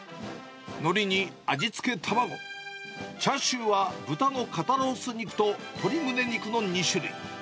のりに味付け卵、チャーシューは豚の肩ロース肉と鶏むね肉の２種類。